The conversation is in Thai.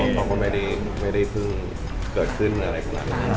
ผมไม่ได้เพิ่งเกิดขึ้นอะไรกันแล้ว